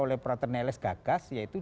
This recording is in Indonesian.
oleh praterneles gagas yaitu